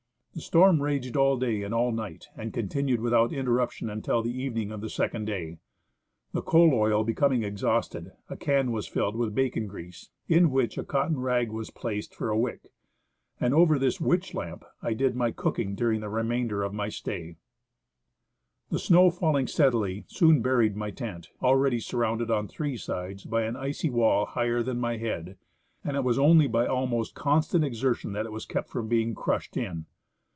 The storm raged all day and all night, and continued without, interruption until the evening of the second day. The coal oil becoming exhausted, a can was filled with bacon grease, in which a cotton rag was placed for a wick ; and over this " witch lamp " I did my cooking during the remainder of my stay. The snow, falling steadily, soon buried my tent, already surrounded on three sides by an icy wall higher than my head, and it was only by almost constant exertion that it was kept from being crushed in.